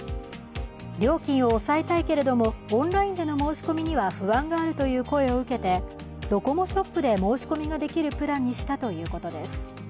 料金を抑えたいけれども、オンラインでの申し込みには不安があるという声を受けてドコモショップで申し込みができるプランにしたということです。